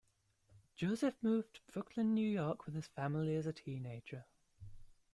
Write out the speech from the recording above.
Joseph moved to Brooklyn, New York with his family as a teenager.